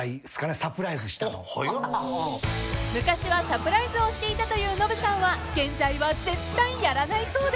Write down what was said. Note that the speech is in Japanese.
［昔はサプライズをしていたというノブさんは現在は絶対やらないそうで］